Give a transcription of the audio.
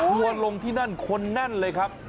ทัวร์ลงที่นั่นคนแน่นเลยครับ